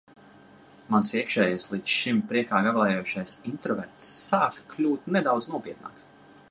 Mans iekšējais, līdz šim priekā gavilējošais introverts sāk kļūt nedaudz nopietnāks.